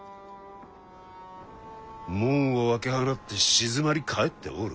門を開け放って静まり返っておる？